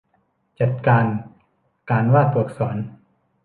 จัดการการวาดตัวอักษร